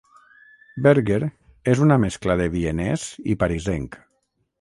Berger és una mescla de vienès i parisenc.